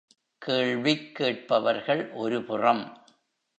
கேள்விக் கேட்பவர்கள் ஒரு புறம்.